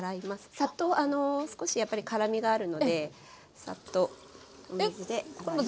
さっと少しやっぱり辛みがあるのでさっとお水で洗います。